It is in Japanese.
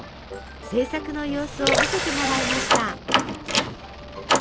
制作の様子を見せてもらいました。